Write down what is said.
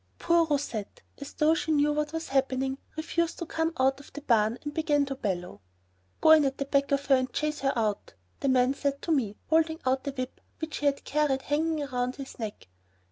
Poor Rousette, as though she knew what was happening, refused to come out of the barn and began to bellow. "Go in at the back of her and chase her out," the man said to me, holding out a whip which he had carried hanging round his neck.